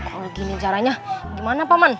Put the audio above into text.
kalau gini caranya gimana pemen